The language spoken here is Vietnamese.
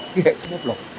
cái hệ thống quốc lộc